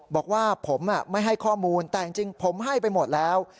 บอกว่าผมไม่ให้ข้อมูลแต่จริงผมให้ไปหมดแล้ว